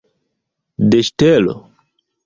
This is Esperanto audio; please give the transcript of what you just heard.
De ŝtelo?